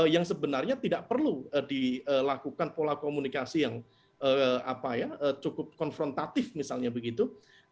yang sebenarnya tidak perlu dilakukan pola komunikasi yang cukup konfrontatif misalnya begitu